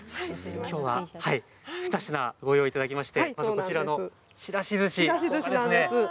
きょうは２品ご用意いただきましてまず、こちらのちらしずし豪華ですね。